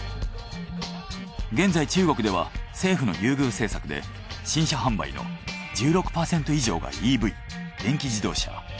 現在中国では政府の優遇政策で新車販売の１６％以上がＥＶ電気自動車。